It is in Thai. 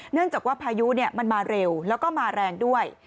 เนื่องจากว่าพายุมันมาเร็วแล้วก็มาแรงด้วย